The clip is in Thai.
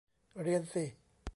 เรียนสิ